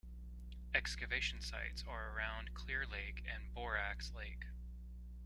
Excavation sites are around Clear Lake and Borax Lake.